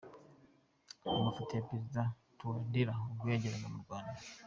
Amafoto ya Perezida Touadera ubwo yageraga mu Rwanda.